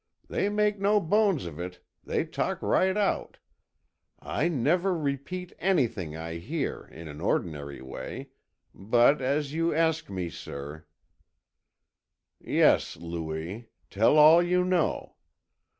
They make no bones of it, they talk right out. I never repeat anything I hear, in an ordinary way, but as you ask me, sir——" "Yes, Louis, tell all you know.